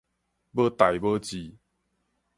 無代無誌